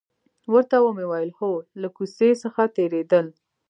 ورته ومې ویل: هو، له کوڅې څخه تېرېدل.